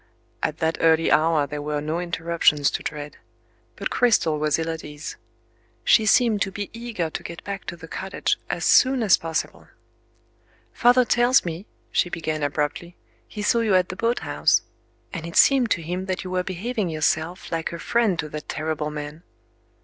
At that early hour there were no interruptions to dread; but Cristel was ill at ease. She seemed to be eager to get back to the cottage as soon as possible. "Father tells me," she began abruptly, "he saw you at the boathouse. And it seemed to him, that you were behaving yourself like a friend to that terrible man."